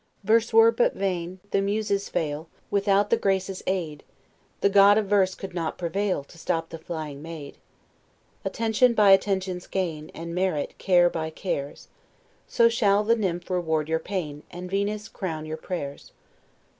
Verse were but vain, the Muses fail, Without the Graces' aid; The God of Verse could not prevail To stop the flying maid. Attention by attentions gain, And merit care by cares; So shall the nymph reward your pain; And Venus crown your prayers.